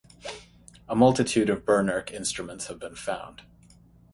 A multitude of Birnirk instruments have been found.